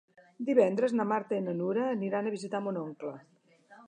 Divendres na Marta i na Nura aniran a visitar mon oncle.